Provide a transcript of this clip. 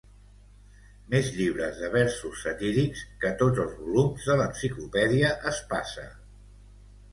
més llibres de versos satírics que tots els volums de l'enciclopèdia Espasa